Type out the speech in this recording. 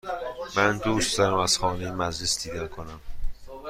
من دوست دارم از خانه مجلس دیدن کنم.